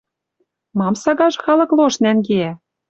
Мам сагажы халык лош нӓнгеӓ?